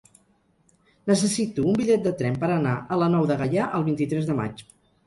Necessito un bitllet de tren per anar a la Nou de Gaià el vint-i-tres de maig.